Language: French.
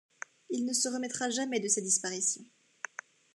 Il ne se remettra jamais de sa disparition.